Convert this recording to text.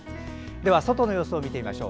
では外の様子を見てみましょう。